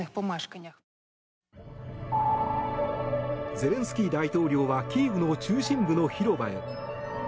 ゼレンスキー大統領はキーウの中心部の広場へ。